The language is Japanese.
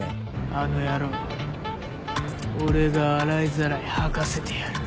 あの野郎俺が洗いざらい吐かせてやる。